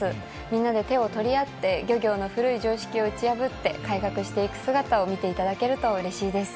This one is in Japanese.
みんなで手を取り合って、漁業の古い常識を打ち破って、改革していく姿を見ていただけるとうれしいです。